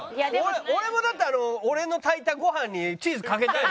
俺もだって俺の炊いたご飯にチーズかけたい。